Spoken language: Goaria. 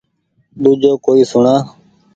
ۮوجو ڪوئي سوڻآ